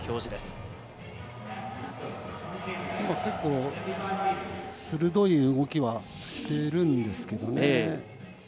結構鋭い動きはしてるんですけどね。